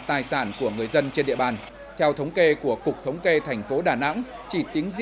tài sản của người dân trên địa bàn theo thống kê của cục thống kê tp đà nẵng